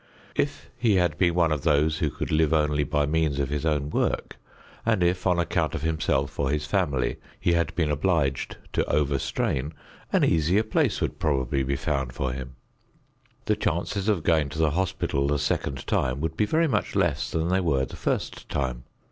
If he had been one of those who could live only by means of his own work, and if on account of himself or his family he had been obliged to over strain, an easier place would probably be found for him. The chances of going to the hospital the second time would be very much less than they were the first time.